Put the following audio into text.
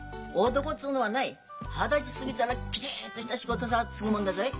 男っつうのはない二十歳過ぎたらきちっとした仕事さ就ぐもんだぞい。